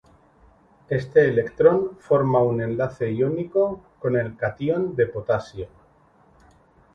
Éste electrón forma un enlace iónico con el catión de potasio.